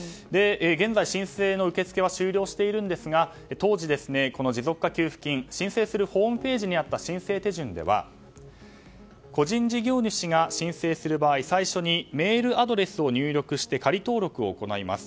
現在、申請の受け付けは終了しているんですが当時、この持続化給付金申請するホームページにあった申請手順では個人事業主が申請する場合最初にメールアドレスを入力して仮登録を行います。